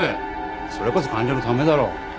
それこそ患者のためだろ。